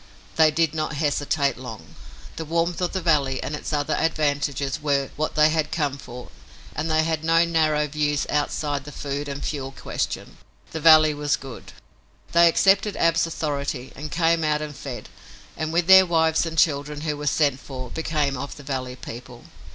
They did not hesitate long. The warmth of the valley and its other advantages were what they had come for and they had no narrow views outside the food and fuel question. The valley was good. They accepted Ab's authority and came out and fed and, with their wives and children, who were sent for, became of the valley people.